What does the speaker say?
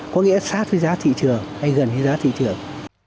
có nghĩa sát với giá thị trường hay gần với giá thị trường